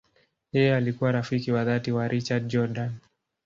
Yeye alikuwa rafiki wa dhati wa Richard Jordan.